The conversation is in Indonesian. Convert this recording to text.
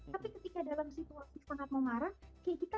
tapi ketika dalam situasi sangat memarah kayak kita